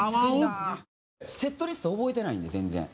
セットリスト覚えてないんで全然。